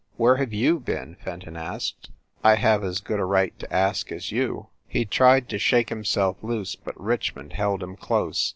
"Where have you been ?" Fenton asked. "I have as good a right to ask as you." He tried to shake himself loose, but Richmond held him close.